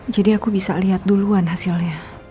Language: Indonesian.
jadi aku bisa liat duluan hasilnya